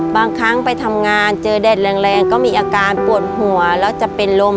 บางครั้งไปทำงานเจอแดดแรงก็มีอาการปวดหัวแล้วจะเป็นลม